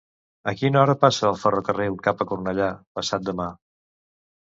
A quina hora passa el ferrocarril cap a Cornellà passat demà?